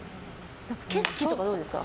景色とかどうですか？